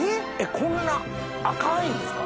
こんな赤いんですか？